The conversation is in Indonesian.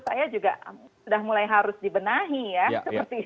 saya juga sudah mulai harus dibenahi ya